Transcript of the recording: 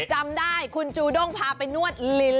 จำได้คุณจูด้งพาไปนวดลิ้น